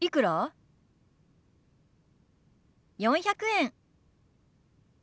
４００円。